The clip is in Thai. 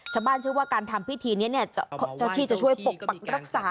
ชาวบ้านเชื่อว่าการทำพิธีนี้เจ้าที่จะช่วยปกปักรักษา